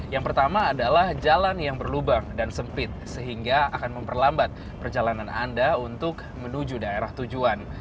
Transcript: yang pertama adalah jalan yang berlubang dan sempit sehingga akan memperlambat perjalanan anda untuk menuju daerah tujuan